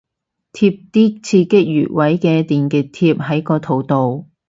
貼啲刺激穴位嘅電極貼喺個肚度